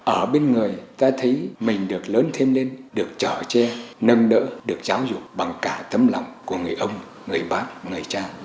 ở bên người ta thấy mình được lớn thêm lên được trở tre nâng đỡ được giáo dục bằng cả tâm lòng của người ông người bác người cha